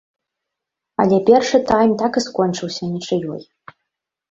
Але першы тайм так і скончыўся нічыёй.